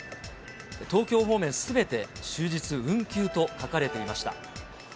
東京方面全て終日運休と書かれていました。